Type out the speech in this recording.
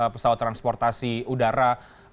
pesawat transportasi udara